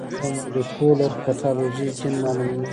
د مولېکولر پیتالوژي جین معلوموي.